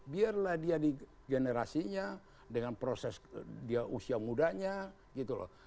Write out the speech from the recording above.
biarlah dia di generasinya dengan proses dia usia mudanya gitu loh